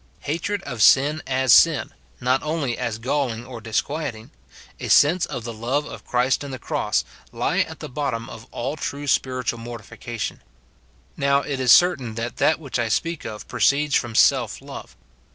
Hatred of sin as sin, not only as galling or disquieting, a sense of the love of Christ in the cross, lie at the bottom of all true spiritual mortification. Now, it 216 MORTIFICATION OF is certain that that which I speak of proceeds from self love.